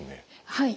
はい。